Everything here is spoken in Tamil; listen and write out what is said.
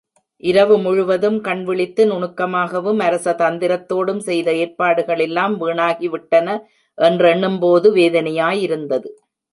இரவு முழுவதும் கண்விழித்து நுணுக்கமாகவும் அரச தந்திரத்தோடும் செய்த ஏற்பாடுகள் எல்லாம் வீணாகிவிட்டன என்றெண்ணும்போது வேதனையாய் இருந்தது.